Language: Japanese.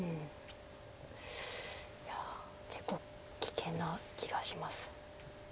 いや結構危険な気がします。